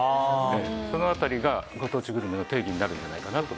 その辺りがご当地グルメの定義になるんじゃないかなと。